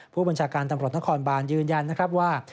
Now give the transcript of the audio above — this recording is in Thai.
ผู้บัญชาการตำรวจนครบานยืนยันนะครับว่า